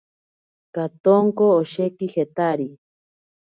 Katonko osheki jetari.